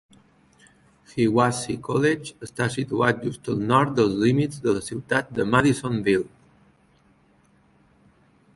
Hiwassee College està situat just al nord dels límits de la ciutat de Madisonville.